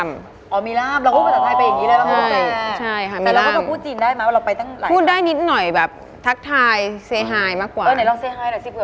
อ๋อมีล่ำเราพูดภาษาไทยแบบนี้เลยเราพูดแบบนี้